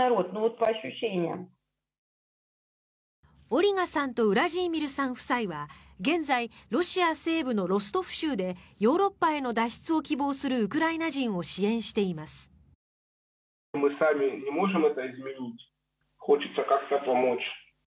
オリガさんとウラジーミルさん夫妻は現在、ロシア西部のロストフ州でヨーロッパへの脱出を希望するウクライナ人を支援しています。